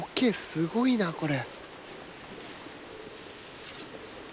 すごいなこれ。